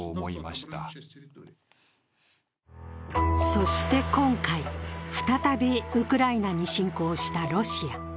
そして今回、再びウクライナに侵攻したロシア。